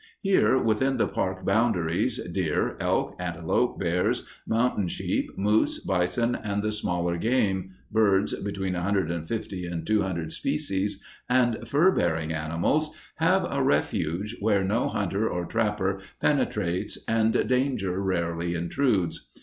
Here, within the park boundaries, deer, elk, antelope, bears, mountain sheep, moose, bison, and the smaller game, birds (between 150 and 200 species), and fur bearing animals, have a refuge where no hunter or trapper penetrates and danger rarely intrudes.